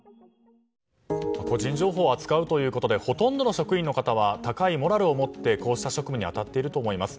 個人情報を扱うということでほとんどの職員の方は高いモラルを持ってこうした職務に当たっていると思います。